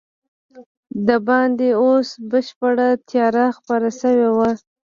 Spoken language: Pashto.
دباندې اوس بشپړه تیاره خپره شوې وه.